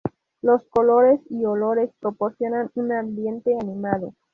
Los colores y los olores proporcionan un ambiente animado.